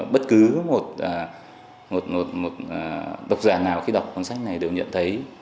bất cứ một độc giả nào khi đọc cuốn sách này đều nhận thấy